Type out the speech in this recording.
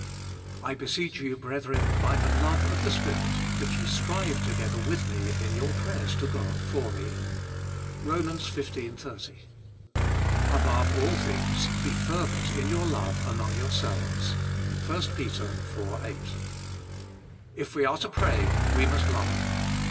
"I beseech you, brethren, by the love of the Spirit, that ye strive together with me in your prayers to God for me. ROM. xv. 30. "Above all things being fervent in your love among your selves." 1 PET. iv. 8. If we are to pray we must love.